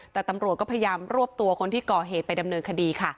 แต่ตำรวจก็พยายามรวบตัวคนที่ก่อเหตุไปดำเนินคดีค่ะ